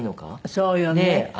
そうよね。